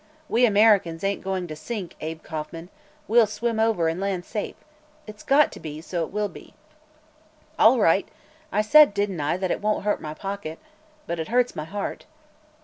We Americans ain't goin' to sink, Abe Kauffman; we'll swim over, and land safe. It's got to be; so it will be." "All right. I said, didn't I, that it won't hurt my pocket? But it hurts my heart."